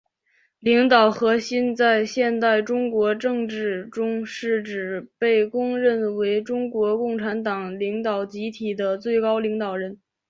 领导核心在现代中国政治中是指被公认为中国共产党领导集体的最高领导人。